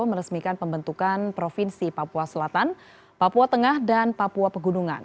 meresmikan pembentukan provinsi papua selatan papua tengah dan papua pegunungan